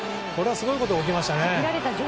すごいことが起きましたね。